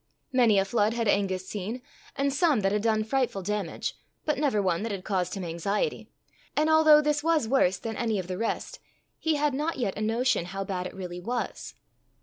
Many a flood had Angus seen, and some that had done frightful damage, but never one that had caused him anxiety; and although this was worse than any of the rest, he had not yet a notion how bad it really was.